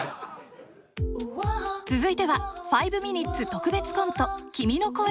続いては「５ミニッツ」特別コント